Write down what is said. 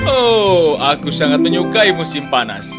oh aku sangat menyukai musim panas